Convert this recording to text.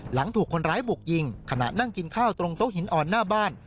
หลังถูกคนร้ายบุกยิงขณะนั่งกินข้าวตรงโต๊ะหินอ่อนหน้าบ้าน